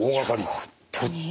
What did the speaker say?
本当に。